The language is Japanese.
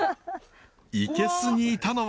生けすにいたのは。